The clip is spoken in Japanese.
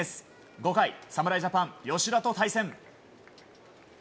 ５回、侍ジャパン吉田と対戦。